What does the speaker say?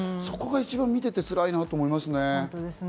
そこが一番見ていてつらいと思います。